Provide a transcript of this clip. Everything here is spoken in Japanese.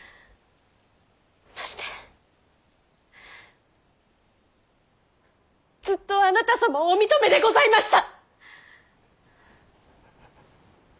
そしてずっとあなた様をお認めでございました！